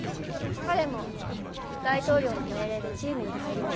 彼も大統領の命令でチームに入ります。